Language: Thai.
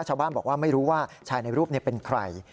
ชาวบ้านบอกว่าไม่รู้ว่าชายในรูปนี้เป็นใคร